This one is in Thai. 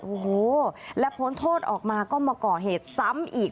โอ้โหและพ้นโทษออกมาก็มาก่อเหตุซ้ำอีก